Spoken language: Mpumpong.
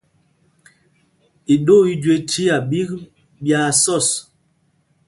Iɗoo i jüé chiá ɓîk ɓyaa sɔs.